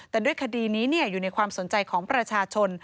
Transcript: แต่ด้วยคดีนี้อยู่ในความสนใจของประชาชน